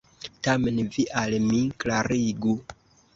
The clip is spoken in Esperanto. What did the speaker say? Tamen vi al mi klarigu!